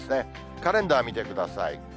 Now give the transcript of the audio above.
カレンダー見てください。